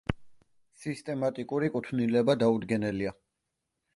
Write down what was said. სისტემატიკური კუთვნილება დაუდგენელია.